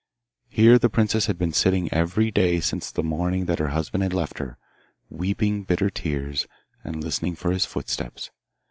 Here the princess had been sitting every day since the morning that her husband had left her, weeping bitter tears, and listening for his footsteps.